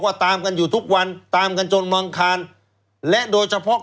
ตามกันอยู่ทุกวันตามกันจนมังคารและโดยเฉพาะ